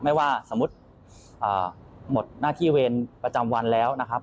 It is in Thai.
ไม่ว่าสมมุติหมดหน้าที่เวรประจำวันแล้วนะครับ